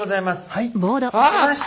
はい。